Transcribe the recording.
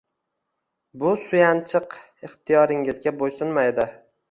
Bu suyanchiq ixtiyoringizga bo’ysunmaydi.